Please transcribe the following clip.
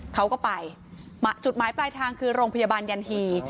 เขาก็ไปจุดหมายปลายทางคือโรงพยาบาลยันฮี